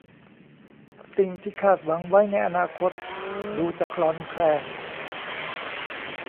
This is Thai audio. สิ่งที่คาดหวังไว้ในอนาคตดูจะคลอนแคลน